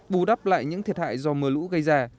bù đắp lại những thiệt hại do mưa lũ gây ra